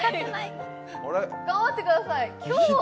頑張ってください。